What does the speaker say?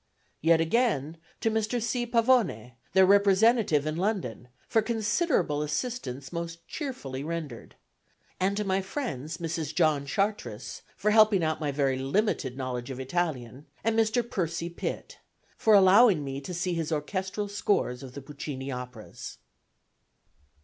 Yet again, to Mr. C. Pavone, their representative in London, for considerable assistance most cheerfully rendered; and to my friends Mrs. John Chartres for helping out my very limited knowledge of Italian, and Mr. Percy Pitt for allowing me to see his orchestral scores of the Puccini operas.